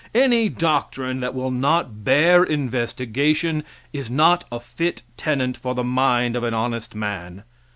Any doctrine that will not bear investigation is not a fit tenant for the mind of an honest man.